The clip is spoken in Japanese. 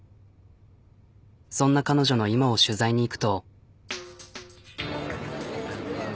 そんな彼女の今を取材に行くと。